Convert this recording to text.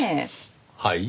はい？